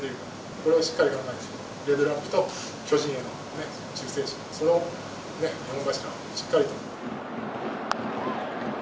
これをしっかり考えてレベルアップと巨人への忠誠心、それをしっかりと。